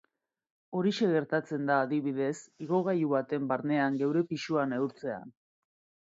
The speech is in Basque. Horixe gertatzen da, adibidez, igogailu baten barnean geure pisua neurtzean.